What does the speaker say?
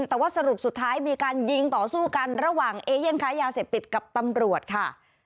แต่ว่าสรุปสุดท้ายมีการยิงต่อสู้กันระหว่างเอเย่นค้ายาเสพติดกับตำรวจค่ะ